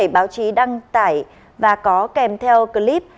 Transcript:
báo chí đăng tải và có kèm theo clip